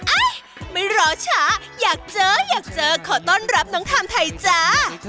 เอ๊ะไม่รอช้าอยากเจออยากเจอขอต้อนรับน้องทามไทยจ้า